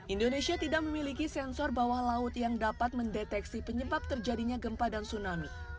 indonesia tidak memiliki sensor bawah laut yang dapat mendeteksi penyebab terjadinya gempa dan tsunami